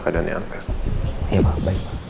keadaannya angga iya pak baik